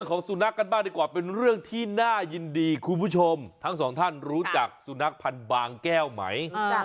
ของสุนัขกันบ้างดีกว่าเป็นเรื่องที่น่ายินดีคุณผู้ชมทั้งสองท่านรู้จักสุนัขพันธ์บางแก้วไหม